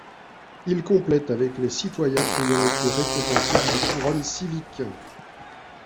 Il complète avec les citoyens ayant été récompensés d'une couronne civique.